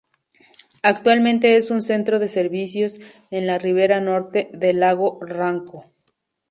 Actualmente es un centro de servicios en la ribera norte del lago Ranco.